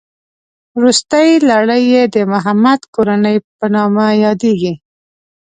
روستۍ لړۍ یې د محمد کورنۍ په نامه یادېږي.